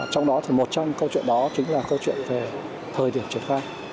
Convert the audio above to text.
trong đó thì một trong câu chuyện đó chính là câu chuyện về thời điểm triển khai